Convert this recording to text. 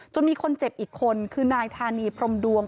มีคนเจ็บอีกคนคือนายธานีพรมดวง